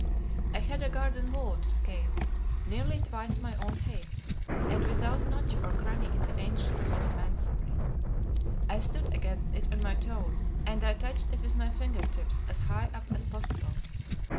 I had a garden wall to scale, nearly twice my own height, and without notch or cranny in the ancient, solid masonry. I stood against it on my toes, and I touched it with my finger tips as high up as possible.